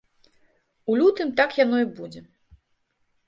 У лютым так яно і будзе.